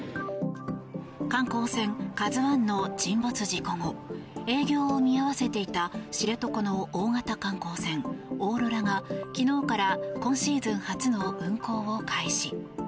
観光船「ＫＡＺＵ１」の沈没事故後営業を見合わせていた知床の大型観光船「おーろら」が昨日から今シーズン初の運航を開始。